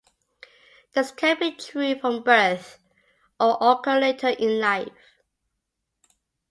This can be true from birth, or occur later in life.